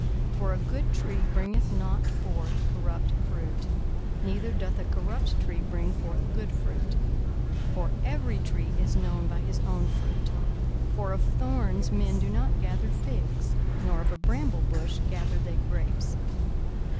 42:006:043 For a good tree bringeth not forth corrupt fruit; neither doth a corrupt tree bring forth good fruit. 42:006:044 For every tree is known by his own fruit. For of thorns men do not gather figs, nor of a bramble bush gather they grapes.